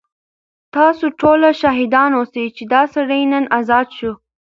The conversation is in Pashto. تاسو ټول شاهدان اوسئ چې دا سړی نن ازاد شو.